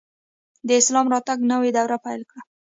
د اسلام راتګ نوی دور پیل کړ